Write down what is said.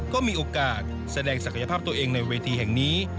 ก็มีโอกาสแสดงศักยภาพตัวเองในเวทีแห่งนี้